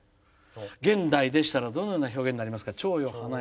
現代でしたらどのような表現になりますか。